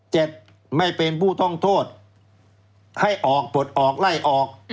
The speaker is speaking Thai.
ไม่เป็นผู้ต้องโทษให้ออกปลดออกไล่ออก